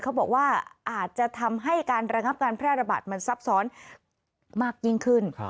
เขาบอกว่าอาจจะทำให้การระงับการแพร่ระบาดมันซับซ้อนมากยิ่งขึ้น